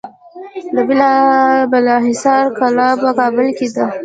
د بالاحصار کلا په کابل کې ده